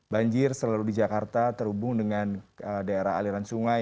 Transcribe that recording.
banjir selalu di jakarta terhubung dengan daerah aliran sungai